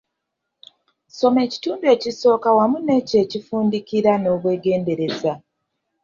Soma ekitundu ekisooka wamu n'ekyo ekifundikira n'obweegendereza.